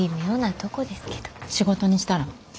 仕事にしたら？